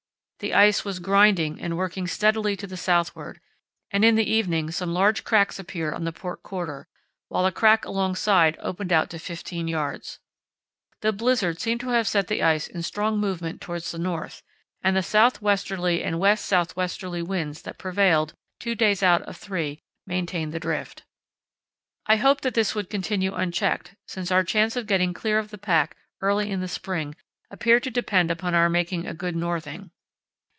The ice was grinding and working steadily to the southward, and in the evening some large cracks appeared on the port quarter, while a crack alongside opened out to 15 yds. The blizzard seemed to have set the ice in strong movement towards the north, and the south westerly and west south westerly winds that prevailed two days out of three maintained the drift. I hoped that this would continue unchecked, since our chance of getting clear of the pack early in the spring appeared to depend upon our making a good northing.